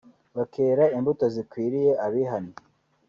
bakera imbuto zikwiriye abihannye